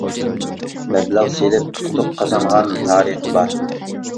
مەبلەغ سېلىپ ئۇتۇق قازانغان تارىخى بار.